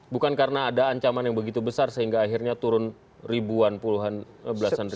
bukan karena ada ancaman yang begitu besar sehingga akhirnya turun ribuan puluhan belasan ribu